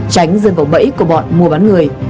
tránh dân vọng bẫy của bọn mua bán người